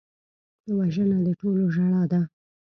وژنه د ټولو ژړا ده